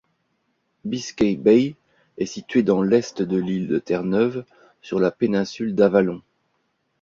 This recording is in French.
Biscay Bay est situé dans l'Est de l'île de Terre-Neuve, sur la péninsule d'Avalon.